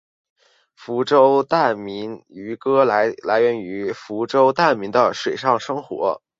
福州疍民渔歌来源于福州疍民的水上生活。